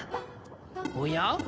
おや？